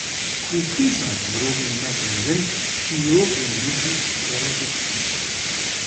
Ku kîjan mirovên me dimirin çîrokên me jî pê re diçin